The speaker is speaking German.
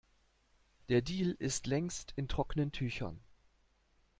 Der Deal ist längst in trockenen Tüchern.